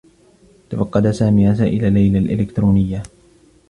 تفقّد سامي رسائل ليلى الإلكترونية.